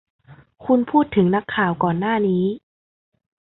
คุณพูดถึงนักข่าวก่อนหน้านี้ ?